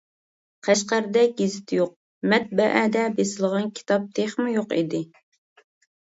قەشقەردە گېزىت يوق، مەتبەئەدە بېسىلغان كىتاب تېخىمۇ يوق ئىدى.